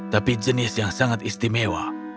tapi jenis yang sangat istimewa